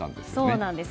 そうなんです。